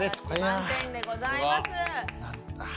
満点でございます。